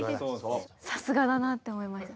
さすがだなって思いました。